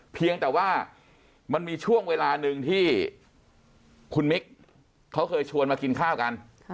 เพียงแต่ว่ามันมีช่วงเวลาหนึ่งที่คุณมิกเขาเคยชวนมากินข้าวกัน